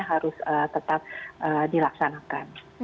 harus tetap dilaksanakan